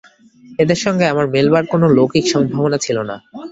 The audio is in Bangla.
এদের সঙ্গে আমার মেলবার কোনো লৌকিক সম্ভাবনা ছিল না।